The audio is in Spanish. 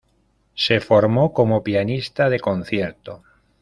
Se formó como pianista de concierto.